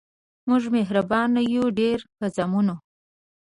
مونږ مهربان یو ډیر په زامنو